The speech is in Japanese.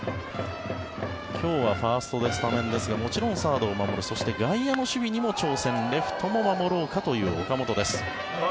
今日はファーストでスタメンですがもちろんサードも守るそして外野の守備にも挑戦レフトも守ろうかという岡本です。